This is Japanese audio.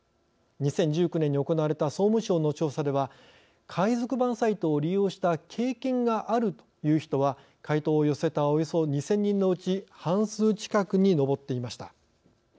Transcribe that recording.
２０１９年に行われた総務省の調査では海賊版サイトを利用した経験があるという人は回答を寄せたおよそ２０００人のうち半数近くに上っていました。